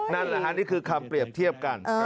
นั่นแหละฮะนี่คือคำเปรียบเทียบกัน